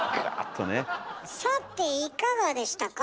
さていかがでしたか？